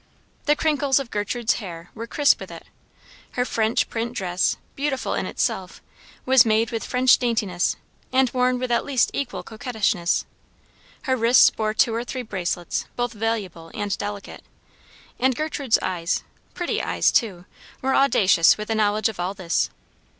The crinkles of Gertrude's hair were crisp with it; her French print dress, beautiful in itself, was made with French daintiness and worn with at least equal coquettishness; her wrists bore two or three bracelets both valuable and delicate; and Gertrude's eyes, pretty eyes too, were audacious with the knowledge of all this.